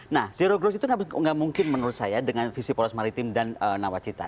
nah zero growth itu nggak mungkin menurut saya dengan visi poros maritim dan nawacita